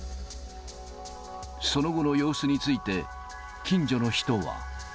その後の様子について、近所の人は。